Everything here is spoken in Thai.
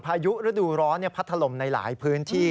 พายุฤดูร้อนพัดถล่มในหลายพื้นที่